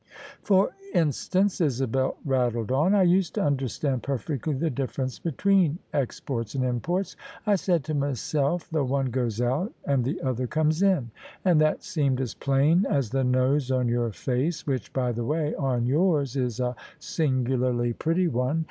" For instance," Isabel rattled on, " I used to understand perfectly the difference between exports and imports. I said to myself, ' The one goes out and the other comes in ': and that seemed as plain as the nose on your face — ^which, by the way, on yours is a singularly pretty one.